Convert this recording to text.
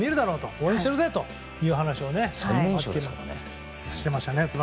応援してるぜという話をしていましたね。